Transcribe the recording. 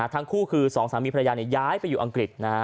ทั้งคู่คือสองสามีภรรยาย้ายไปอยู่อังกฤษนะฮะ